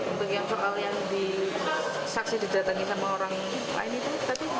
untuk yang soal yang disaksi didatangi sama orang lain itu